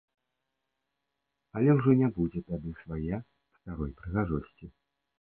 Але ўжо не будзе тады свае старой прыгожасці.